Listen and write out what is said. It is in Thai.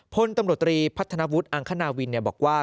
พลตำรวจตรีพัฒนาวุฒิอังคณาวินบอกว่า